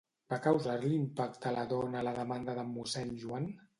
Va causar-li impacte a la dona la demanda d'en mossèn Joan?